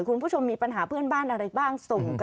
คุณผู้ชมมีปัญหาเพื่อนบ้านอะไรบ้างส่งกัน